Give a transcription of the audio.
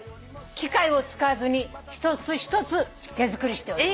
機械を使わずに一つ一つ手作りしております。